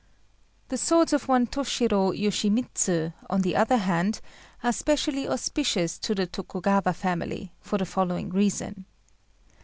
The swords of one Tôshirô Yoshimitsu, on the other hand, are specially auspicious to the Tokugawa family, for the following reason.